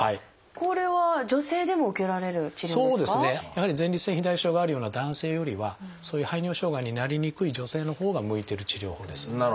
やはり前立腺肥大症があるような男性よりはそういう排尿障害になりにくい女性のほうが向いてる治療法です。